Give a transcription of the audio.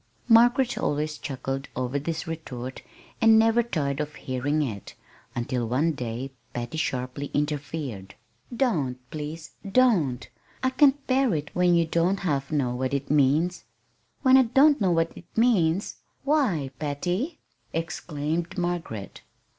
Margaret always chuckled over this retort and never tired of hearing it, until one day Patty sharply interfered. "Don't please don't! I can't bear it when you don't half know what it means." "When I don't know what it means! Why, Patty!" exclaimed Margaret.